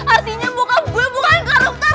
artinya bokap gue bukan karakter